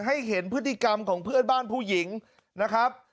ให้เห็นพฤติกรรมของเพื่อนบ้านผู้หญิงนะครับ